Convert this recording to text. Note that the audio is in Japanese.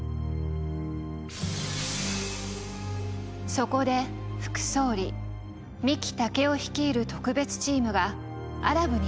そこで副総理三木武夫率いる特別チームがアラブに派遣されます。